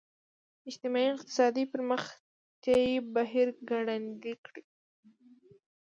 اجتماعي اقتصادي پرمختیايي بهیر ګړندی کړي.